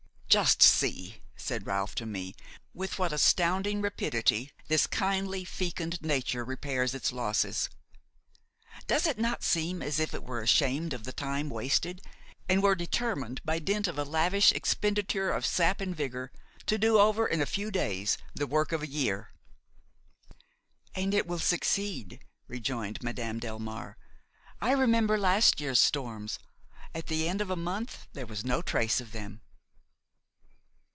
"Just see," said Ralph to me, "with what astounding rapidity this kindly, fecund nature repairs its losses! Does it not seem as if it were ashamed of the time wasted, and were determined, by dint of a lavish expenditure of sap and vigor, to do over in a few days the work of a year?" "And it will succeed," rejoined Madame Delmare. "I remember last year's storms; at the end of a month there was no trace of them."